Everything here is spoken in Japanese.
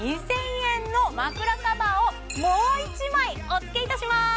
２０００円の枕カバーをもう１枚お付けいたします